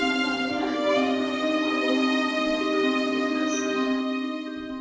ketika dianggap sebagai penyakit tersebut di mana saja itu terjadi